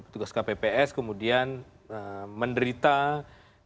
tugas kpps kemudian menderita kelelahan